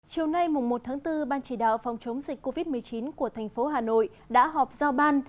chiều nay một tháng bốn ban chỉ đạo phòng chống dịch covid một mươi chín của thành phố hà nội đã họp giao ban